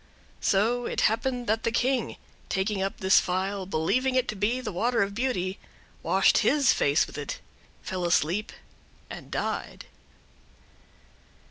So it happened that the King, taking up this phial, believing it to be the water of beauty, washed his face with it, fell asleep, and—died.